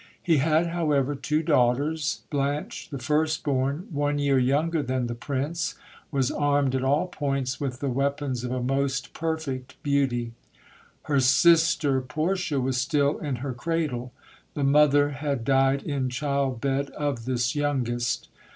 He had, however, two daughters — Blanche, the first born, one year younger than the prince, was armed at all points with the weapons of a most perfect beauty. Her sister Portia was still in her cradle. The mother had died in child bed of this youngest.